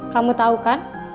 kamu tahu kan